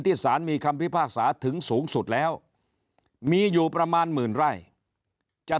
สารมีคำพิพากษาถึงสูงสุดแล้วมีอยู่ประมาณหมื่นไร่จะ